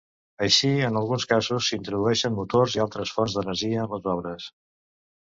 Així, en alguns casos, s’introdueixen motors i altres fonts d’energia en les obres.